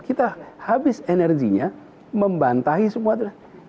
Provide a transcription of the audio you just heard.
kita habis energinya membantahi semua itu